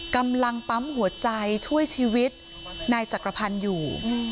กำลังปั๊มหัวใจช่วยชีวิตนายจักรพันธ์อยู่